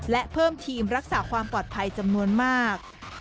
และเพิ่มทีมรักษาความปลอดภัยจำนวนมาก